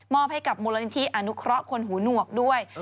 ให้กับมูลนิธิอนุเคราะห์คนหูหนวกด้วย